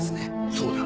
そうだ。